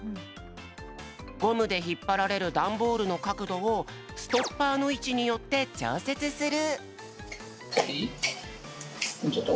ゴムでひっぱられるダンボールのかくどをストッパーのいちによってちょうせつする。